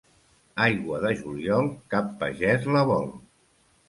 Aigua de juliol, cap pagès la vol.